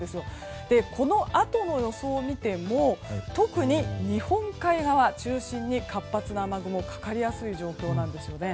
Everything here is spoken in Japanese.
このあとの予想を見ても特に日本海側中心に活発な雨雲かかりやすい状況なんですね。